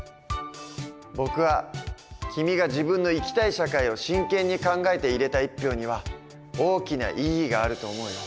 僕は君が自分の生きたい社会を真剣に考えて入れた１票には大きな意義があると思うよ。